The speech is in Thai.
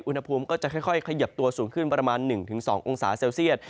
อุณหภูมิก็จะค่อยขยับตัวสูงขึ้นประมาณ๑๒องศาเซลเซียต